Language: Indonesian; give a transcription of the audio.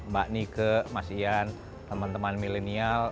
mbak nike mas ian temen temen milenial